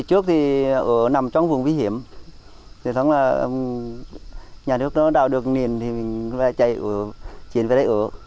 trước thì ở nằm trong vùng vi hiểm nhà nước nó đào được nền thì mình phải chạy ở chuyển về đây ở